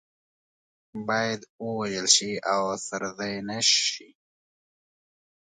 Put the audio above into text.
باید ووژل شي او سرزنش شي.